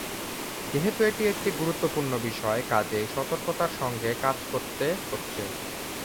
যেহেতু এটি একটি গুরুত্বপূর্ণ বিষয়, কাজেই সতর্কতার সঙ্গে কাজ করতে হচ্ছে।